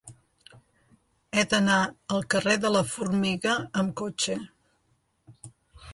He d'anar al carrer de la Formiga amb cotxe.